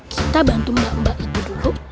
kita bantu mbak mbak ibu dulu